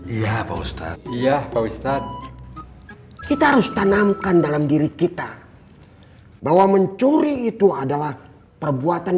iya pak ustadz iya pak ustadz kita harus tanamkan dalam diri kita bahwa mencuri itu adalah perbuatan